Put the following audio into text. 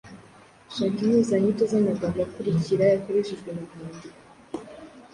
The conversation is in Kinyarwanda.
Shaka impuzanyito z’amagambo akurikira yakoreshejwe mu mwandiko: